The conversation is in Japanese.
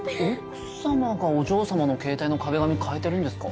奥様がお嬢様の携帯の壁紙替えてるんですか？